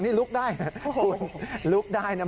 นี่ลุกได้ลุกได้นะ